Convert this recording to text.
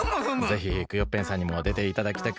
ぜひクヨッペンさんにもでていただきたく。